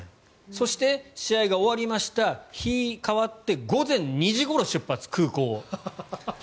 そして、試合が終わりました日が変わって午前２時ごろ空港を出発。